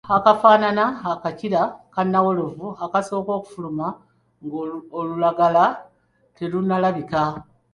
Ke kantu akafaanana akakira ka nnawolovu akasooka okufuluma ng'olulagala terunnalabika.